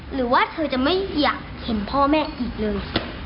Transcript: หรือว่าเธอจะไม่อยากเห็นพ่อแม่อีกเลย